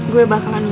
gue bakalan bantuin